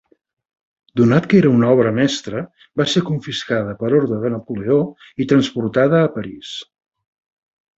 Donat que era una obra mestra, va ser confiscada per ordre de Napoleó i transportada a París.